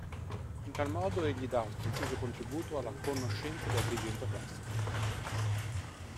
In tal modo egli dà un prezioso contributo alla conoscenza di Agrigento classica.